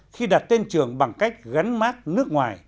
khi đặt tên trường bằng cách gắn mát nước ngoài